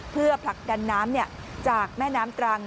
เพื่อผลักดันน้ำจากแม่น้ำตรัง